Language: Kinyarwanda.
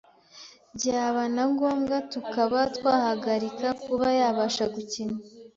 byaba na ngombwa tukaba twahagarika kuba yabasha gukina.